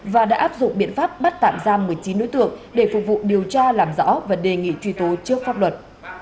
và đã áp dụng biện pháp bắt tạm giam một mươi chín đối tượng để phục vụ điều tra làm rõ và đề nghị truy tố trước pháp luật